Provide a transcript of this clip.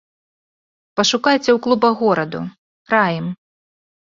Пашукайце ў клубах гораду, раім.